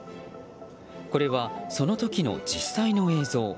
これは、その時の実際の映像。